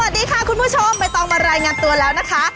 สวัสดีค่ะคุณผู้ชมใบตองมารายงานตัวแล้วนะคะ